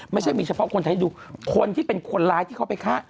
ไม่ใช่มีเฉพาะคนไทยดูคนที่เป็นคนร้ายที่เขาไปฆ่า